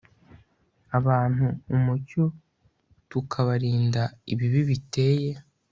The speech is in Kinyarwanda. abantu umucyo tukabarinda ibibi biteye